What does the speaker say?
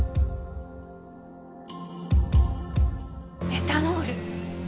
エタノール。